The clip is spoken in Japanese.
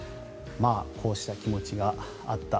こうした気持ちがあった